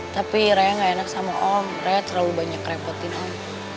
tapi raya gak enak sama om raya terlalu banyak repotin om